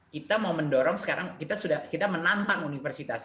kita mau mendorong sekarang kita menantang universitas